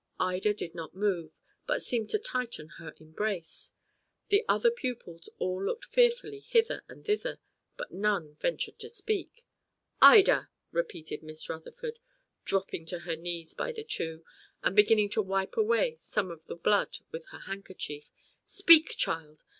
Ida did not move, but seemed to tighten her embrace. The other pupils all looked fearfully hither and thither, but none ventured to speak. "Ida!" repeated Miss Rutherford, dropping on her knees by the two, and beginning to wipe away some of the blood with her handkerchief. "Speak, child!